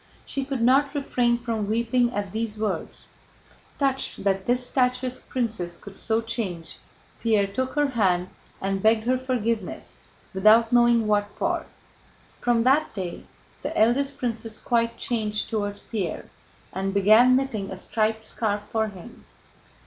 She could not refrain from weeping at these words. Touched that this statuesque princess could so change, Pierre took her hand and begged her forgiveness, without knowing what for. From that day the eldest princess quite changed toward Pierre and began knitting a striped scarf for him.